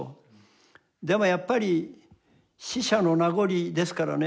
でもやっぱり死者の名残ですからねええ。